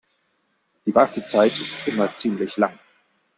Die Wartezeit ist immer ziemlich lang.